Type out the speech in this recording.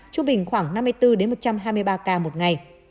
trung bình khoảng năm mươi bốn một trăm hai mươi ba ca một ngày